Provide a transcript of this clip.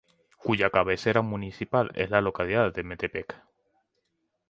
Cuya cabecera municipal es la localidad de Metepec.